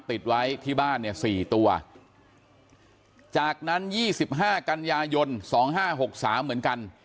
ติดไว้ที่บ้านเนี่ยสี่ตัวจากนั้นยี่สิบห้ากันยายนสองห้าหกสามเหมือนกัน